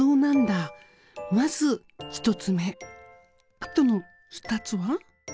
あとの２つは？